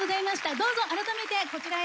どうぞ改めてこちらへ。